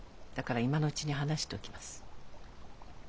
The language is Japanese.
だから今のうちに話しておきます。